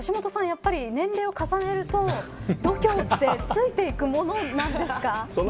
やっぱり年齢を重ねると度胸ってついていくものなんですか。